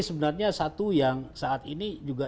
sebenarnya satu yang saat ini juga